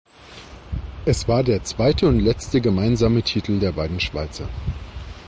Es war der zweite und letzte gemeinsame Titel der beiden Schweizer.